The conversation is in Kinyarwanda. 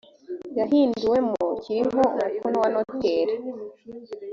yahinduwemo kiriho umukono wa noteri